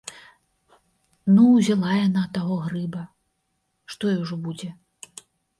Ну, узяла яна таго грыба, што ёй ужо будзе?